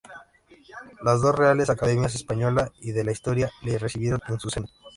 Las dos reales academias, Española y de la Historia, le recibieron en su seno.